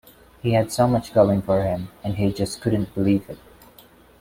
He had so much going for him, and he just couldn't believe it.